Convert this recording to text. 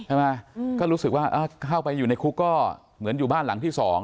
ใช่ไหมก็รู้สึกว่าเข้าไปอยู่ในคุกก็เหมือนอยู่บ้านหลังที่๒